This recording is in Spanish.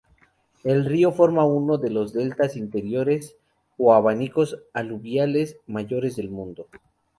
El río forma uno de los deltas interiores o abanicos aluviales mayores del mundo.